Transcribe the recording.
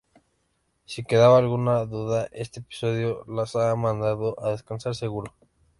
Si quedaba alguna duda, este episodio las ha mandado a descansar seguro".